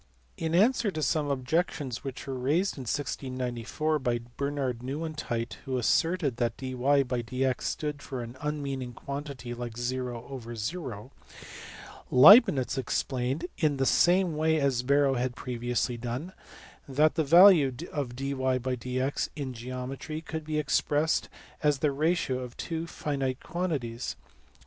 In answer to some objections which were raised in 1694 by Bernard Nieuwentyt who asserted that dyjdx stood for an unmeaning quantity like 0/0, Leibnitz explained, in the same way as Barrow had previously done, that the value of dyjdx in geometry could be expressed as the ratio of two finite quantities.